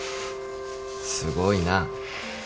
すごいな。